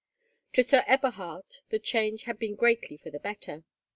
To Sir Eberhard the change had been greatly for the better.